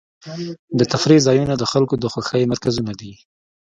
د تفریح ځایونه د خلکو د خوښۍ مرکزونه دي.